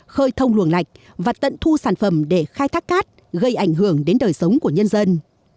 khơi thông luồng lạch và tận thu sản phẩm để khai thác cát gây ảnh hưởng đến đời sống của nhân dân